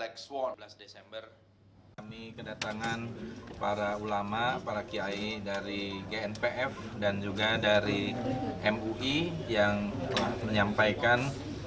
kami kedatangan para ulama para kiai dari gnpf dan juga dari mui yang menyampaikan